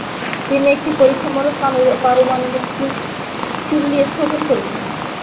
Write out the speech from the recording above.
তিনি একটি পরীক্ষণমূলক পারমাণবিক চুল্লী স্থাপন করেছিলেন।